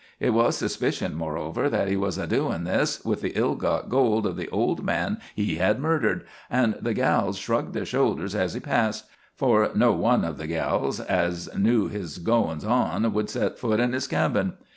Hit was suspicioned, moreover, that he was a doin' this with the ill got gold of the old man he had murdered, and the gals shrugged their shoulders as he passed, for no one of the gals as knew his goin's on would set a foot in his cabin.